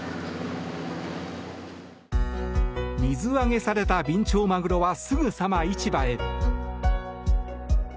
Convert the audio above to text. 水揚げされたビンチョウマグロはすぐさま市場へ。